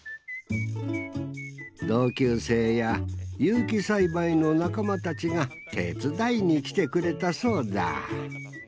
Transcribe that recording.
同級生や有機栽培の仲間たちが手伝いに来てくれたそうだ